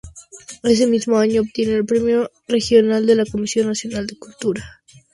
Ese mismo año obtiene el Premio Regional de la Comisión Nacional de Cultura.